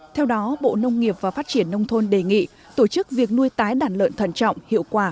theo đó bộ nông nghiệp và phát triển nông thôn đề nghị tổ chức việc nuôi tái đàn lợn thận trọng hiệu quả